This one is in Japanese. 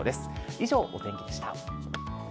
以上、お天気でした。